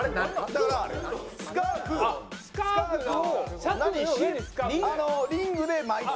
だからスカーフスカーフをリングで巻いて。